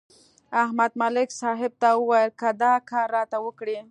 احمد ملک صاحب ته ویل: که دا کار راته وکړې.